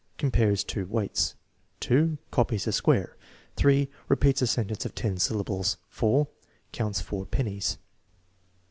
Compares two weights. 2. Copies a square. 3. Repeats a sentence of ten syllables. 4., Counts four pennies.